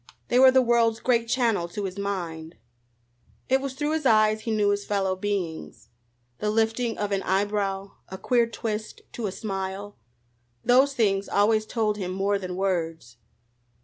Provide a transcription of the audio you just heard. They were the world's great channel to his mind. It was through his eyes he knew his fellow beings. The lifting of an eyebrow, a queer twist to a smile those things always told him more than words.